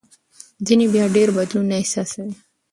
ځینې بیا ډېر بدلون نه احساسوي.